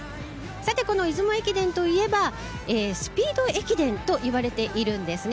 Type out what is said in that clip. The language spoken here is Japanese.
さて、この出雲駅伝といえば、スピード駅伝といわれているんですね。